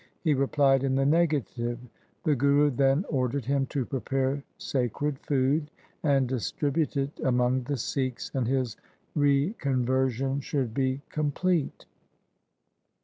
He replied in the negative. The Guru then ordered him to prepare sacred food and distribute it among the Sikhs, and his reconversion should be complete.